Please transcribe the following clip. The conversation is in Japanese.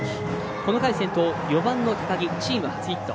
この回、先頭４番の高木チーム初ヒット。